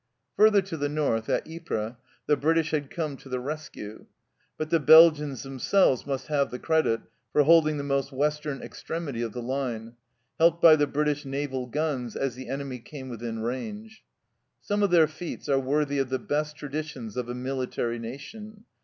Further to the south, at Ypres, the British had come to the rescue, but the Belgians themselves must have the credit for hold ing the most western extremity of the line, helped by the British naval guns as the enemy came within range. Some of their feats are worthy of the best traditions of a military nation.